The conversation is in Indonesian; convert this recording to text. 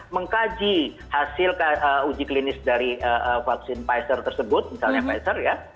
mengkaji hasil uji klinis dari vaksin pfizer tersebut misalnya pfizer ya